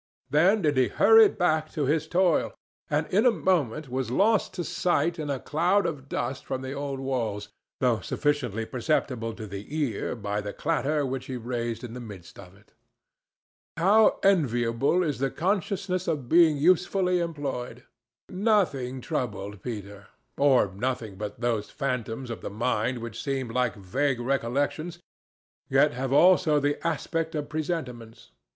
Then did he hurry back to his toil, and in a moment was lost to sight in a cloud of dust from the old walls, though sufficiently perceptible to the ear by the clatter which he raised in the midst of it. How enviable is the consciousness of being usefully employed! Nothing troubled Peter, or nothing but those phantoms of the mind which seem like vague recollections, yet have also the aspect of presentiments.